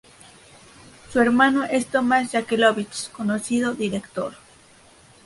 Su hermano es Tomás Yankelevich, conocido director.